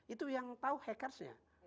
itu yang tahu hackersnya